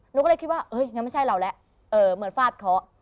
หนูก็เลยคิดว่ายังไม่ใช่เราแล้วเหมือนฟาดเคาะ